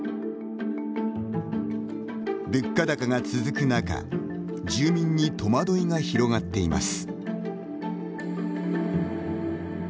物価高が続く中住民に戸惑いが広がっています。